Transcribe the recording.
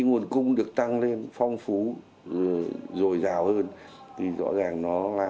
nó sẽ tăng lên phong phú rồi giàu hơn